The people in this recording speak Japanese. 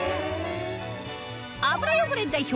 油汚れ代表